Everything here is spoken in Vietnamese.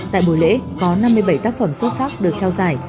tại buổi lễ có năm mươi bảy tác phẩm xuất sắc được trao giải